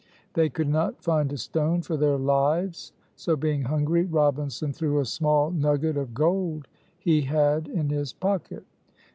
They could not find a stone for their lives, so, being hungry, Robinson threw a small nugget of gold he had in his pocket.